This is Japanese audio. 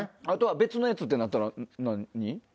別のやつってなったら何？